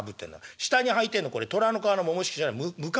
下にはいてんのこれ虎の皮のももひきじゃない行縢。